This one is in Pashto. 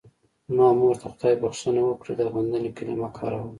زما مور ته خدای بښنه وکړي د غندنې کلمه کاروله.